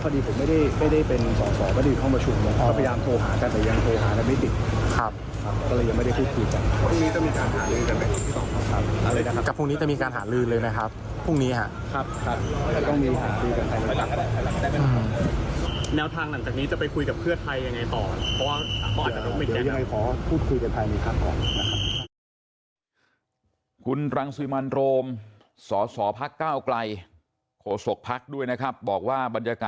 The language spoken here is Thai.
เดี๋ยวยังไงขอพูดคุยกันภายในก่อนนะครับ